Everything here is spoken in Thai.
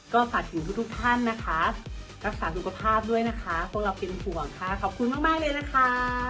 ก็ฝากถึงทุกท่านนะคะรักษาสุขภาพด้วยนะคะพวกเราเป็นห่วงค่ะขอบคุณมากเลยนะคะ